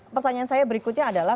pertanyaan saya berikutnya adalah